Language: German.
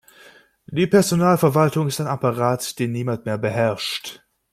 Die Personalverwaltung ist ein Apparat, den niemand mehr beherrscht.